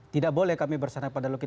tidak boleh kami bersandarkan pada logika